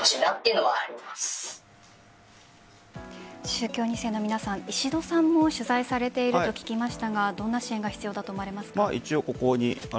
宗教２世の皆さん石戸さんも取材されていると聞きましたが、どんな支援が必要だと思いますか？